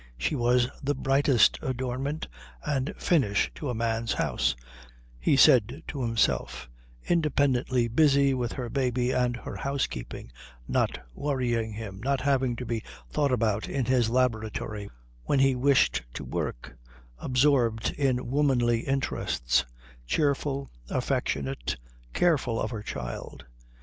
She was the brightest adornment and finish to a man's house, he said to himself, independently busy with her baby and her housekeeping, not worrying him, not having to be thought about in his laboratory when he wished to work, absorbed in womanly interests, cheerful, affectionate, careful of her child.